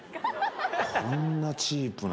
こんなチープな。